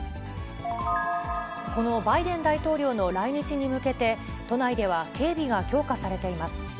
このバイデン大統領の来日に向けて、都内では、警備が強化されています。